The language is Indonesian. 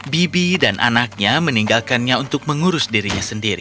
bibi dan anaknya meninggalkannya untuk mengurus dirinya sendiri